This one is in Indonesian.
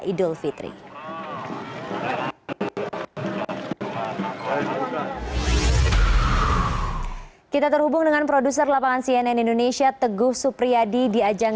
idul fitri kita terhubung dengan produser lapangan cnn indonesia teguh supriyadi di ajang